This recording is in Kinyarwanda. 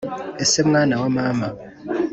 ese mwana wa mama